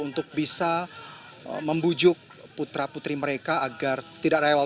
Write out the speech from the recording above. untuk bisa membujuk putra putri mereka agar tidak rewel